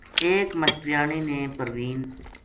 ایک ماشٹریانی نے پروین